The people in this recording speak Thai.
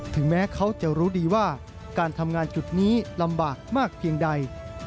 ถึงแม้เขาจะรู้ดีว่าการทำงานจุดนี้ลำบากมากเพียงใด